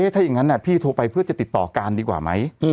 ถ้าอย่างนั้นพี่โทรไปเพื่อจะติดต่อการดีกว่าไหม